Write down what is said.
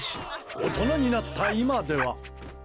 大人になった今では。